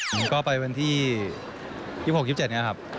ผมก็ไปวันที่๒๖๒๗ครับ